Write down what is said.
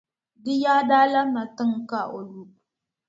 Di yaa daa labina tiŋa ka o lu.